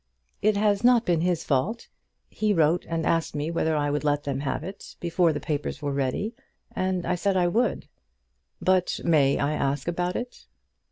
"It has not been his fault. He wrote and asked me whether I would let them have it, before the papers were ready, and I said I would." "But may I ask about it?"